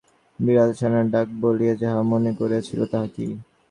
এতক্ষণ পরে খুকী বুঝিল রাত্রিতে বিড়ালছানার ডাক বলিয়া যাহা মনে করিয়াছিল তাহা কি।